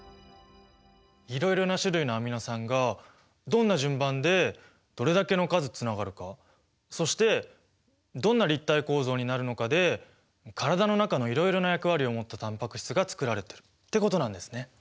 いろいろな種類のアミノ酸がどんな順番でどれだけの数つながるかそしてどんな立体構造になるのかで体の中のいろいろな役割を持ったタンパク質がつくられてるってことなんですね。